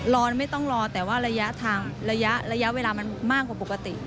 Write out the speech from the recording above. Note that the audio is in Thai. รอนไม่ต้องรอแต่ว่าระยะเวลามันมากกว่าปกติ